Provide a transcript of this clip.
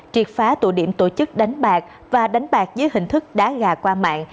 triệt phá tụ điểm tổ chức đánh bạc và đánh bạc dưới hình thức đá gà qua mạng